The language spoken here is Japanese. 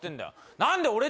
何で俺っ